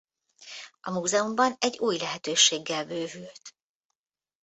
A múzeumban egy új lehetőséggel bővült.